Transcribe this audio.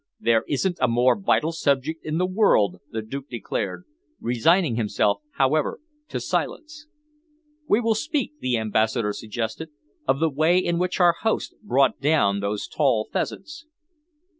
"There isn't a more vital subject in the world," the Duke declared, resigning himself, however, to silence. "We will speak," the Ambassador suggested, "of the way in which our host brought down those tall pheasants."